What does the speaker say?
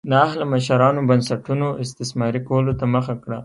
نااهله مشرانو بنسټونو استثماري کولو ته مخه کړه.